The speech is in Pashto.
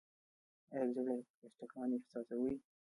ایا د زړه ټکان احساسوئ؟